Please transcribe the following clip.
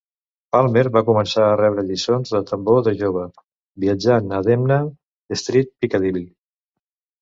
Palmer va començar a rebre lliçons de tambor de jove, viatjant a Denman Street, Piccadilly.